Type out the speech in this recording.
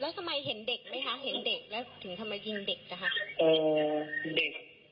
แล้วทำไมเห็นเด็กไหมคะเห็นเด็กแล้วถึงทำไมยิงเด็กนะคะ